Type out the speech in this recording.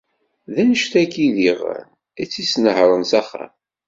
D annect-agi ziɣen i t-isḥerḥren s axxam.